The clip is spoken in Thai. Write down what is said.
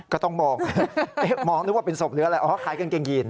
ก็ต้องมองมองนึกว่าเป็นศพหรืออะไรอ๋อขายกางเกงยีน